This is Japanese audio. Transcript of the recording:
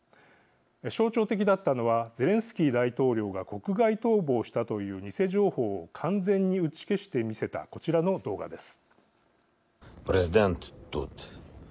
象徴的だったのはゼレンスキー大統領が国外逃亡したという偽情報を完全に打ち消してみせたこちらの動画です。